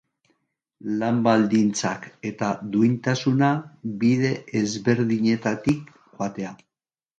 Lan-baldintzak eta duintasuna bide ezberdinetik joatea.